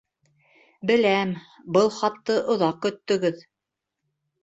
Беләм, был хатты оҙаҡ көттөгөҙ.